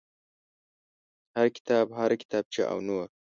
هر کتاب هر کتابچه او نور.